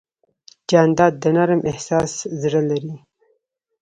جانداد د نرم احساس زړه لري.